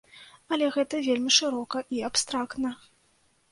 Але гэта вельмі шырока і абстрактна.